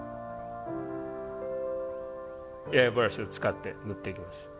エアブラシを使って塗っていきます。